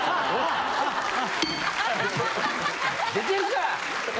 出てるか！